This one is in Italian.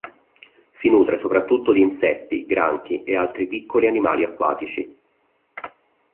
Si nutre soprattutto di insetti, granchi e altri piccoli animali acquatici.